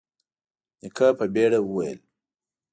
نيکه په بيړه وويل: